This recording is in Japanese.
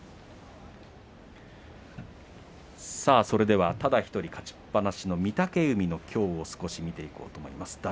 それではただ１人勝ちっぱなしの御嶽海の土俵を少し見ていこうと思います。